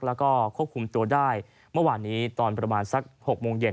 แล้วก็ควบคุมตัวได้เมื่อวานนี้ตอนประมาณสัก๖โมงเย็น